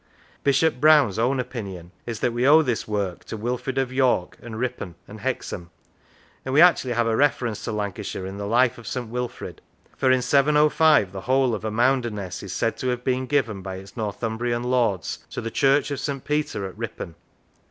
Bishop Browne's own opinion is that we owe this work to Wilfrid of York and Ripon and Hexham, and we actually have a reference to Lancashire in the life of St. Wilfrid, for in 705 the whole of Amounderness is said to have been given by its Northumbrian lords to the church of St. Peter, at Ripon.